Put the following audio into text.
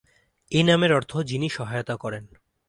এ নামের অর্থ "যিনি সহায়তা করেন"।